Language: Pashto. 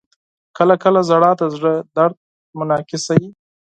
• کله کله ژړا د زړه درد منعکسوي.